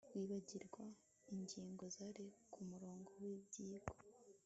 w ibyigwa ingingo zari ku murongo w ibyigwa